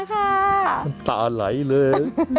น้ำตาไหลเลย